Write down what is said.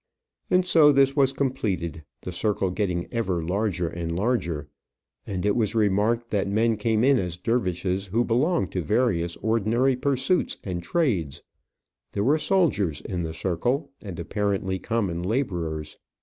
And so this was completed, the circle getting ever larger and larger. And it was remarked that men came in as dervishes who belonged to various ordinary pursuits and trades; there were soldiers in the circle, and, apparently, common labourers.